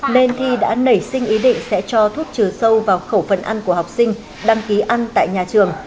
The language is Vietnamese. nên thi đã nảy sinh ý định sẽ cho thuốc trừ sâu vào khẩu phần ăn của học sinh đăng ký ăn tại nhà trường